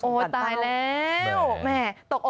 โอ้ตายแล้ว